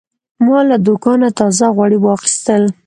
ما له دوکانه تازه غوړي واخیستل.